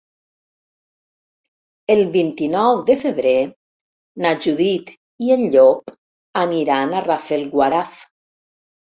El vint-i-nou de febrer na Judit i en Llop aniran a Rafelguaraf.